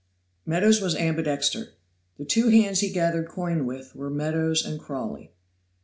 Meadows was ambidexter. The two hands he gathered coin with were Meadows and Crawley.